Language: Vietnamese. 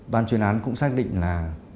bàn chuyên án cũng xác định là